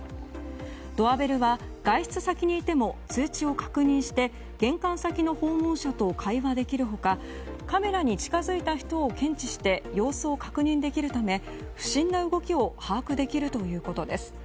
ドアベルは外出先にいても通知を確認して玄関先の訪問者と会話できる他カメラに近づいた人を検知して様子を確認できるため不審な動きを把握できるということです。